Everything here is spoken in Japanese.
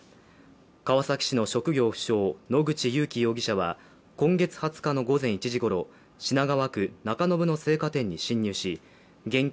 川崎市の職業不詳、野口勇樹容疑者は今月２０日の午前１時ごろ品川区中延の青果店に侵入し現金